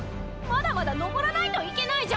まだまだ登らないといけないじゃん！